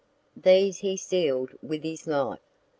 These he seal'd with his life.